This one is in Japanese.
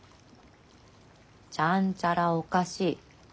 ちゃんちゃらおかしい。